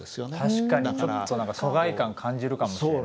確かにちょっと疎外感感じるかもしれない。